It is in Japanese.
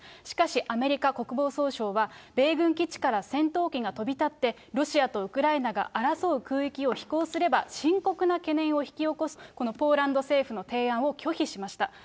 しかしアメリカ国防総省は、米軍基地から戦闘機が飛び立って、ロシアとウクライナが争う空域を飛行すれば深刻な懸念を引き起こすと、このポーランド政府の提案を拒否しました。